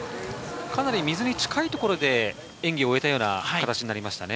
水に近いところで演技を終えたような形になりましたね。